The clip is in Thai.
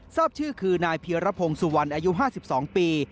ทราบชื่อคือนายเพียรพงศ์สุวรรณอายุ๕๒ปี